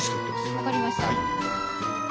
分かりました。